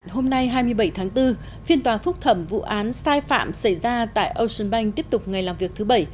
hôm nay hai mươi bảy tháng bốn phiên tòa phúc thẩm vụ án sai phạm xảy ra tại ocean bank tiếp tục ngày làm việc thứ bảy